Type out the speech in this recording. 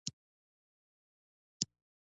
بزګان د افغانستان د ملي هویت یوه نښه ده.